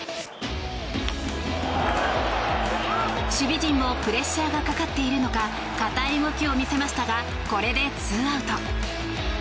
守備陣もプレッシャーがかかっているのか硬い動きを見せましたがこれでツーアウト。